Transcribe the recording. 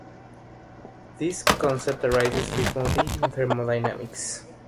This concept arises frequently in thermodynamics.